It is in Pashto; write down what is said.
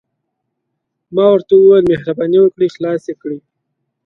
ما ورته وویل: مهرباني وکړه، خلاص يې کړئ.